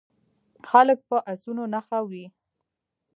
خلک په اسونو نښه وي.